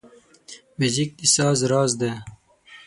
موزیک د ساز راز دی.